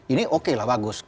ini oke lah bagus